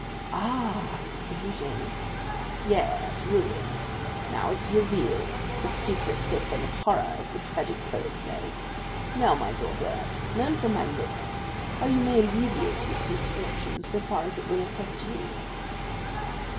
"Ah!" said Eugénie. "Yes, ruined! Now it is revealed, this secret so full of horror, as the tragic poet says. Now, my daughter, learn from my lips how you may alleviate this misfortune, so far as it will affect you."